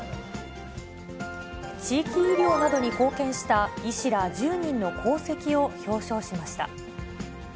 地域医療などに貢献した、医師ら１０人の功績を表彰しました。